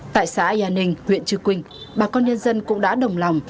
tại xã ea ninh huyện chư quynh bà con nhân dân cũng đã đồng lòng